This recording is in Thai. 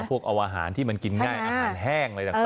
เอาอาหารที่มันกินง่ายอาหารแห้งอะไรต่าง